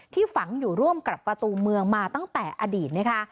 ฝังอยู่ร่วมกับประตูเมืองมาตั้งแต่อดีตนะคะ